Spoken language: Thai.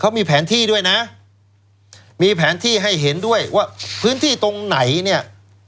เขามีแผนที่ด้วยนะมีแผนที่ให้เห็นด้วยว่าพื้นที่ตรงไหนเนี่ย